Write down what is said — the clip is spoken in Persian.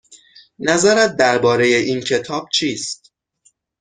نظرت درباره این کتاب چیست؟